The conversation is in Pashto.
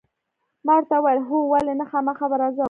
ما ورته وویل: هو، ولې نه، خامخا به راځم.